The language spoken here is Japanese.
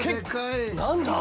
何だ？